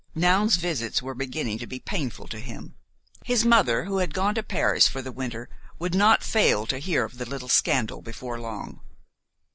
Noun's visits were beginning to be painful to him. His mother, who had gone to Paris for the winter, would not fail to hear of the little scandal before long.